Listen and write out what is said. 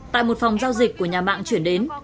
tại một phòng giao dịch của nhà mạng chuyển đến